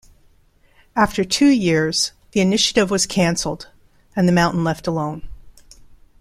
After two years the initiative was cancelled and the mountain left alone.